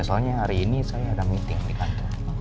soalnya hari ini saya ada meeting di kantor